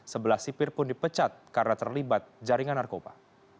sebelah sipir pun dipecat karena terlibat jaringan narkoba